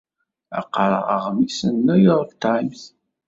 La qqareɣ aɣmis n New York Times.